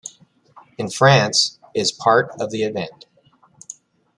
In France, is part of the event.